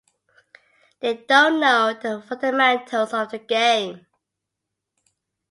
They don't know the fundamentals of the game.